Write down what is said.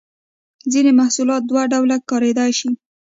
ځینې محصولات دوه ډوله کاریدای شي.